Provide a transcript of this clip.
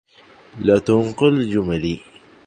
لا تُنُقِّل جُمَلي.